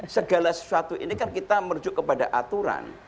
segala sesuatu ini kan kita merujuk kepada aturan